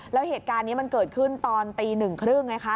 แล้วเหตุการณ์นี้มันเกิดขึ้นตอนตี๑๓๐น